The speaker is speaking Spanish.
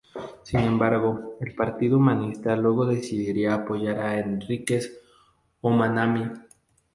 Sin embargo, el Partido Humanista luego decidiría apoyar a Enríquez-Ominami.